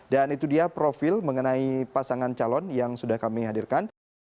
dan itu dia profil mengenai pasangan calon yang sudah kami hadirkan